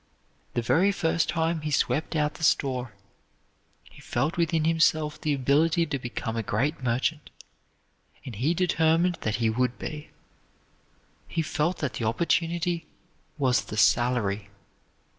The very first time he swept out the store, he felt within him the ability to become a great merchant, and he determined that he would be. He felt that the opportunity was the salary.